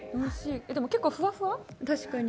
でも、結構ふわふわ。